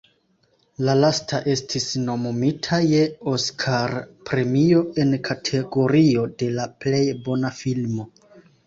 La lasta estis nomumita je Oskar-premio en kategorio de la plej bona filmo.